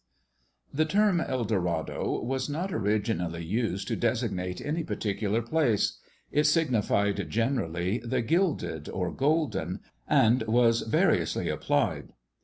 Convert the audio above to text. The term El Dorado was not originally used to designate any particular place; it signified generally 'the gilded,' or 'golden,' and was variously applied.